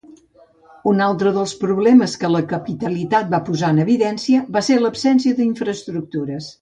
Un altre dels problemes que la capitalitat va posar en evidència va ser l'absència d'infraestructures.